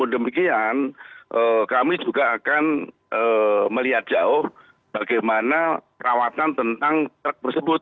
demikian kami juga akan melihat jauh bagaimana perawatan tentang truk tersebut